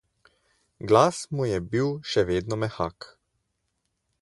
Glas mu je bil še vedno mehak.